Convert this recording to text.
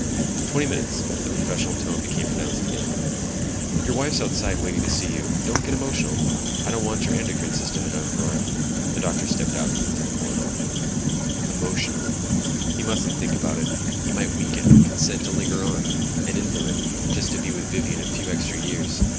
"Twenty minutes." The professional tone became pronounced again. "Your wife's outside waiting to see you. Don't get emotional, I don't want your endocrine system in an uproar." The doctor stepped out into the corridor. Emotional. He mustn't think about it. He might weaken, consent to linger on, an invalid, just to be with Vivian a few extra years.